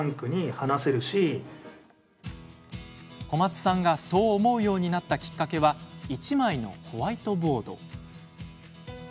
小松さんがそう思うようになったきっかけは１枚のホワイトボード。